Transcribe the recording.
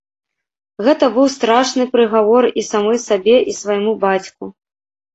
Гэта быў страшны прыгавор і самой сабе, і свайму бацьку.